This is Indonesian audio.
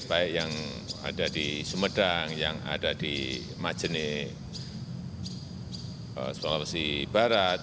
baik yang ada di sumedang yang ada di majene sulawesi barat